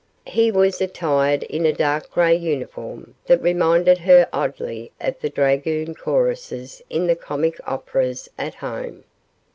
He was attired in a dark gray uniform that reminded her oddly of the dragoon choruses in the comic operas at home.